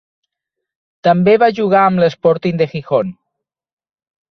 També va jugar amb l'Sporting de Gijón.